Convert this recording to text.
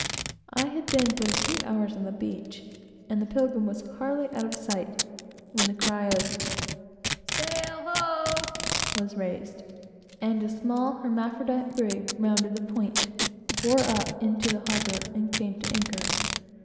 I had been but a few hours on the beach, and the Pilgrim was hardly out of sight, when the cry of "Sail ho!" was raised, and a small hermaphrodite brig rounded the point, bore up into the harbor, and came to anchor.